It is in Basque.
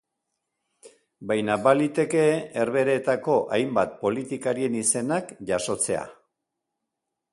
Baina baliteke Herbehereetako hainbat politikarien izenak jasotzea.